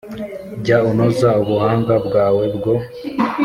Jya unoza ubuhanga bwawe bwo